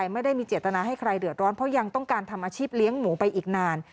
ไม่ได้มีเจตนาให้ใครเดือดร้อนเพราะยังต้องการทำอาชีพเลี้ยงหมูไปอีกนาน